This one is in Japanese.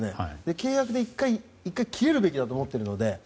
契約で１回切れるべきだと思ってるので。